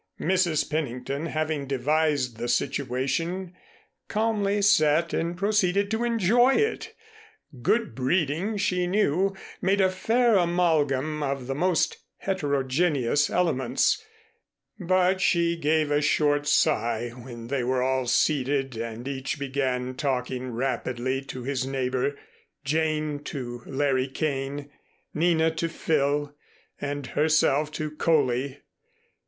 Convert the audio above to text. Mrs. Pennington having devised the situation, calmly sat and proceeded to enjoy it. Good breeding, she knew, made a fair amalgam of the most heterogeneous elements, but she gave a short sigh when they were all seated and each began talking rapidly to his neighbor, Jane to Larry Kane, Nina to Phil and herself to Coley.